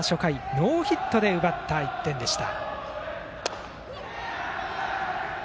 ノーヒットで奪った１点でした。